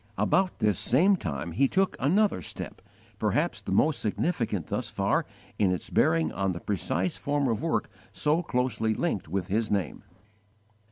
About this same time he took another step perhaps the most significant thus far in its bearing on the precise form of work so closely linked with his name.